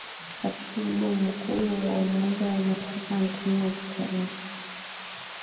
Katibu Mkuu wa Umoja wa Mataifa Antonio Gutteres